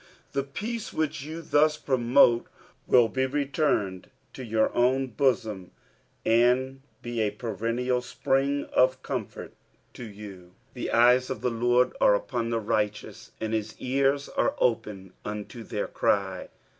The peace which you thus promote will be returned into your own bosom, and be a perennial spring of comfort to you. 15 The eyes of the LORD are upon the righteous, and his ears are open unto their cry.